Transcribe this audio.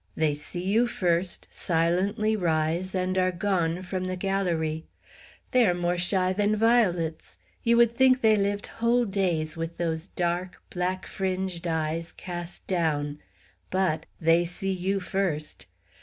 They see you first, silently rise, and are gone from the galérie. They are more shy than violets. You would think they lived whole days with those dark, black fringed eyes cast down; but they see you first.